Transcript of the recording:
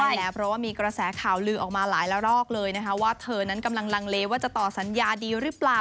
ใช่แล้วเพราะว่ามีกระแสข่าวลือออกมาหลายละรอกเลยนะคะว่าเธอนั้นกำลังลังเลว่าจะต่อสัญญาดีหรือเปล่า